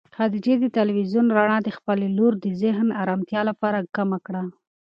خدیجې د تلویزون رڼا د خپلې لور د ذهن د ارامتیا لپاره کمه کړه.